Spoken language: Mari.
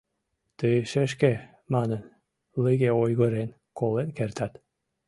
«Тый, шешке, — манын, — лыге ойгырен, колен кертат.